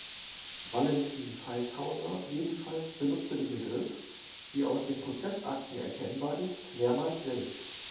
Valentin Faltlhauser jedenfalls benutzte den Begriff, wie aus den Prozessakten erkennbar ist, mehrmals selbst.